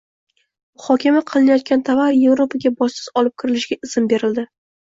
muhokama qilinayotgan tovar Yevropaga bojsiz olib kirilishiga izn berildi.